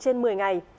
trên một mươi ngày